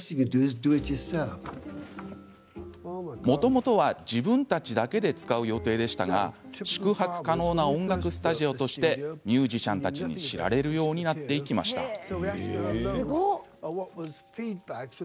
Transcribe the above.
もともとは自分たちだけで使う予定でしたが宿泊可能な音楽スタジオとしてミュージシャンたちに知られるようになっていきました。